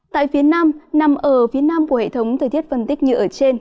tại phía nam nằm ở phía nam của hệ thống thời tiết phân tích như ở trên